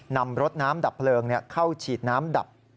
นำรถน้ำดับเพลิงเข้าฉีดน้ำดับ